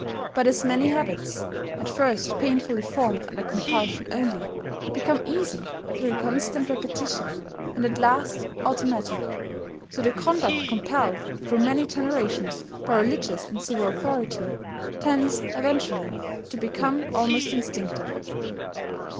But as many habits, at first painfully formed under compulsion only, become easy through constant repetition, and at last automatic, so the conduct compelled through many generations by religious and civil authority, tends eventually to become almost instinctive.